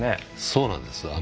そうなんです。